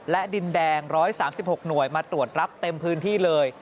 และดินแดง๑๓๖หน่วยมาตรวจรับเต็มพื้นที่เลย